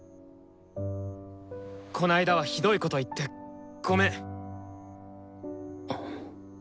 この間はひどいこと言ってごめん。